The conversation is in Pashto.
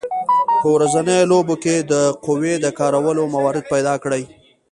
په ورځنیو لوبو کې د قوې د کارولو موارد پیداکړئ.